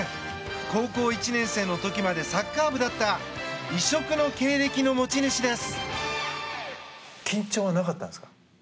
高校１年生の時までサッカー部だった異色の経歴の持ち主です。